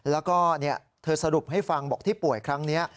แล้วก็เธอสรุปให้ฟังบอกที่ป่วยครั้งนี้